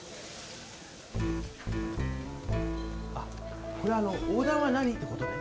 あっこれあのオーダーは何？って事ね。